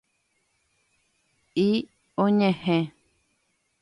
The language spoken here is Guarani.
Y oñehẽ